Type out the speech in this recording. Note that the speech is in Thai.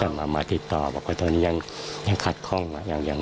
ถึงมาติดต่อซะว่าชัยดังขัดขร่องอย่างไหว